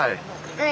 うん。